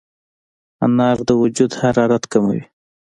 انار د وجود حرارت کموي.